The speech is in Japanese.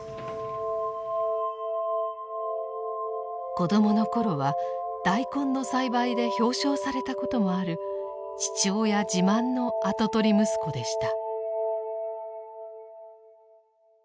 子供の頃は大根の栽培で表彰されたこともある父親自慢の跡取り息子でした。